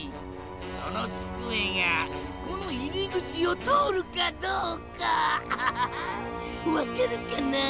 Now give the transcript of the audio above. そのつくえがこの入り口を通るかどうかアハハハー！